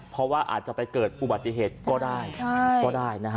แต่ชักอาจจะไม่ได้ถึงบ้าน